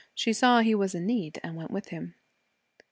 She saw he was in need and went with him.